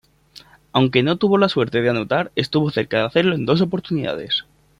Aunque no tuvo la suerte de anotar, estuvo cerca de hacerlo en dos oportunidades.